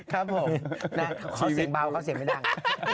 ขอเสียงเบาขอเสียงไม่ดัง